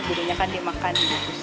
biasanya kan dimakan